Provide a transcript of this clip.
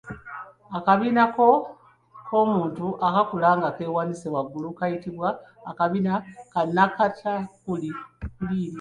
Akabina k’omuntu akaakula nga keewanise waggulu kayitibwa akabina akanakakuliri.